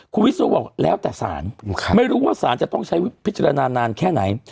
คุณวิศนุบอกแล้วแต่สารไม่รู้ว่าสารจะต้องใช้พิจารณานานแค่ไหน